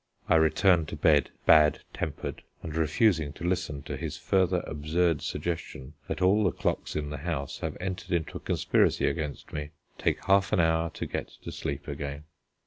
I return to bed bad tempered, and refusing to listen to his further absurd suggestion that all the clocks in the house have entered into a conspiracy against me, take half an hour to get to sleep again.